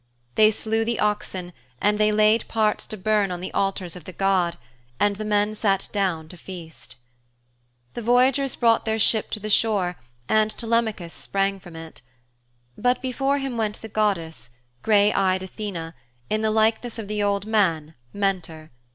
They slew the oxen and they laid parts to burn on the altars of the god, and the men sat down to feast. The voyagers brought their ship to the shore and Telemachus sprang from it. But before him went the goddess, grey eyed Athene, in the likeness of the old man, Mentor.